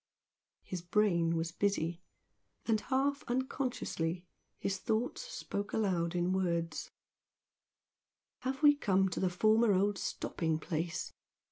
His brain was busy; and half unconsciously his thoughts spoke aloud in words "Have we come to the former old stopping place?"